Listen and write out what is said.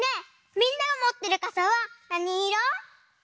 みんながもってるかさはなにいろ？